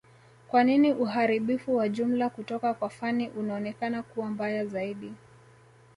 kwa nini uharibifu wa jumla kutoka kwa Fani unaonekana kuwa mbaya zaidi